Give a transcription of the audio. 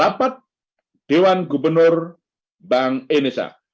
rapat dewan gubernur bank indonesia